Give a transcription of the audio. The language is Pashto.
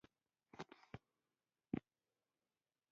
فرق مه کوه !